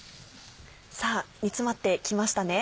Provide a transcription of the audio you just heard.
さぁ煮詰まってきましたね。